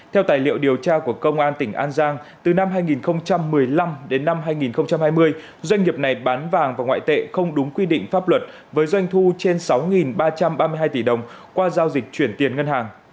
theo tài liệu điều tra của công an tỉnh an giang từ năm hai nghìn một mươi năm đến năm hai nghìn hai mươi doanh nghiệp này bán vàng và ngoại tệ không đúng quy định pháp luật với doanh thu trên sáu ba trăm ba mươi hai tỷ đồng qua giao dịch chuyển tiền ngân hàng